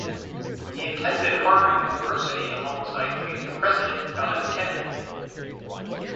He attended Harvard University alongside future president John F. Kennedy.